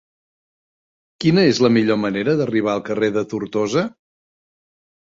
Quina és la millor manera d'arribar al carrer de Tortosa?